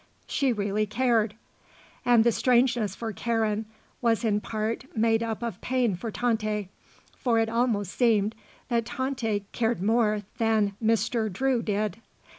She really cared. And the strangeness for Karen was in part made up of pain for Tante; for it almost seemed that Tante cared more than Mr. Drew did.